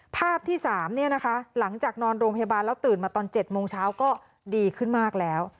ภาพที่๓หลังจากนอนโรงพยาบาลแล้วตื่นมาตอน๗โมงเช้าก็ดีขึ้นมากแล้ว